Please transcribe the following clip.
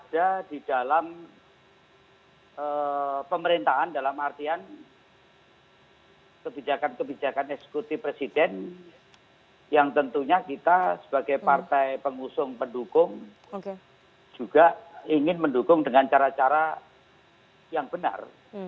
ada di dalam pemerintahan dalam artian kebijakan kebijakan eksekutif presiden yang tentunya kita sebagai partai pengusung pendukung juga ingin mendukung dengan cara cara yang benar